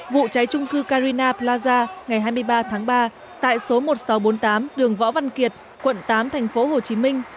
vụ cháy trung cư carina plaza ngày hai mươi ba tháng ba tại số một nghìn sáu trăm bốn mươi tám đường võ văn kiệt quận tám thành phố hồ chí minh